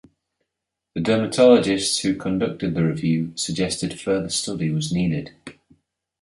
The dermatologists who conducted the review suggested further study was needed.